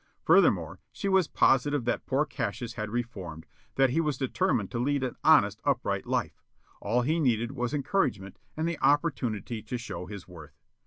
Furthermore, she was positive that poor Cassius had reformed, that he was determined to lead an honest, upright life; all he needed was encouragement and the opportunity to show his worth.